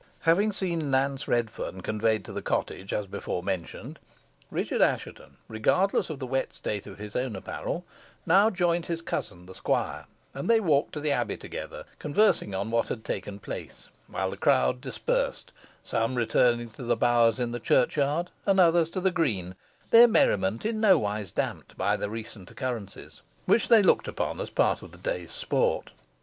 Having seen Nance Redferne conveyed to the cottage, as before mentioned, Richard Assheton, regardless of the wet state of his own apparel, now joined his cousin, the squire, and they walked to the Abbey together, conversing on what had taken place, while the crowd dispersed, some returning to the bowers in the churchyard, and others to the green, their merriment in nowise damped by the recent occurrences, which they looked upon as part of the day's sport.